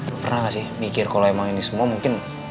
lu pernah gak sih mikir kalau emang ini semua mungkin